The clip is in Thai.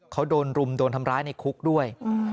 เขาโดนรุมโดนทำร้ายในคุกด้วย